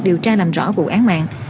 điều tra làm rõ vụ án mạng